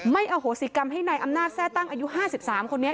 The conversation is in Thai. อโหสิกรรมให้นายอำนาจแทร่ตั้งอายุ๕๓คนนี้